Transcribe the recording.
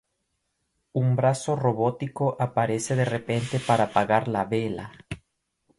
Un brazo robótico aparece de repente para apagar la vela.